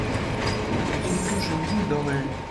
کەچی تووشم بوو، دەڵێ: